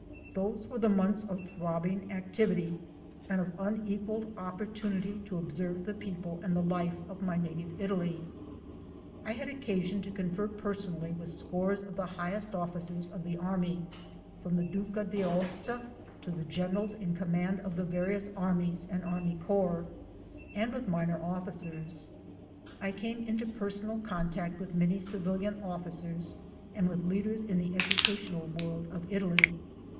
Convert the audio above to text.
Those were the months of throbbing activity and of unequalled opportunity to observe the people MY FINAL CHOICE 323 and the life of my native Italy. I had occasion to confer personally with scores of the highest officers ,of the army, from the Duca d'Aosta to the Generals in command of the various armies and army corps, and with minor officers ; I came into personal contact with many civilian officers and with leaders in the educational world of Italy.